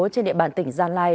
trên địa bàn tỉnh gia lai